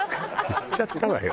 言っちゃったわよ。